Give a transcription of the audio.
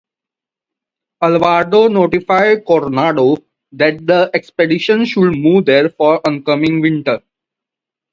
Alvarado notified Coronado that the expedition should move there for the oncoming winter.